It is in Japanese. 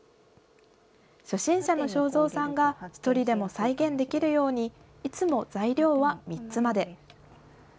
初心者の昭蔵さんが１人でも再現できるように、いつも材料は３つまで。